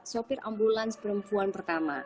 sopir ambulans perempuan pertama